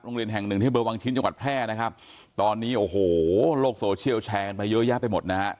แห่งหนึ่งที่เบอร์วังชิ้นจังหวัดแพร่นะครับตอนนี้โอ้โหโลกโซเชียลแชร์กันไปเยอะแยะไปหมดนะฮะ